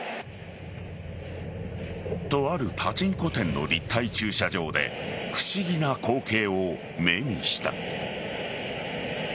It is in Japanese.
とあるパチンコ店の立体駐車場で不思議な光景を目にした。